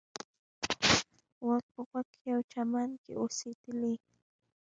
غوږ په غوږ یوه چمن کې اوسېدلې.